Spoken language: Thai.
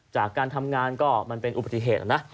จากการทำงานก็มันเป็นอุบัติเหตุนะ